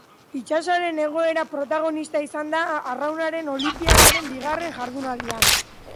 Itsasoaren egoera protagonista izan da arraunaren olinpiadaren bigarren jardunaldian.